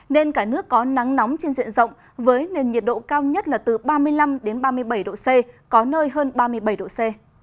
nên cả nước có nắng nóng trên diện rộng với nền nhiệt độ cao nhất là từ ba mươi năm ba mươi bảy độ c có nơi hơn ba mươi bảy độ c